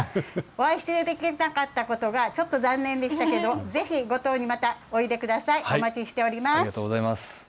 お会いできなかったことがちょっと残念でしたけど、ぜひ五島にまたおいでください、お待ちしております。